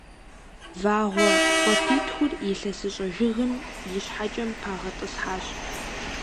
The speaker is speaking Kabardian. Вагъуэ къуапитхур илъэсыщӏэ жыгым и щхьэкӏэм пагъэтӏысхьащ.